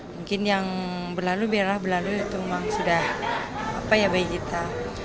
mungkin yang berlalu biarlah berlalu itu memang sudah apa ya bayi kita